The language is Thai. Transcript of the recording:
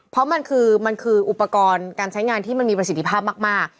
เพราะมันคือมันคืออุปกรณ์การใช้งานที่มันมีประสิทธิภาพมาก